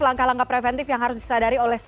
langkah langkah preventif yang harus disadari oleh